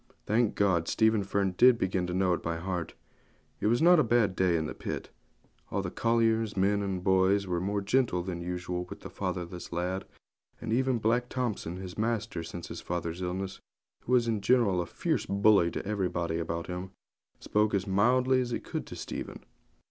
Thank God, Stephen Fern did begin to know it by heart! It was not a bad day in the pit. All the colliers, men and boys, were more gentle than usual with the fatherless lad; and even Black Thompson, his master since his father's illness, who was in general a fierce bully to everybody about him, spoke as mildly as he could to Stephen.